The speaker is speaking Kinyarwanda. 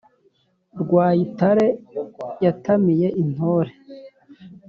Rwayitare yatamiye intore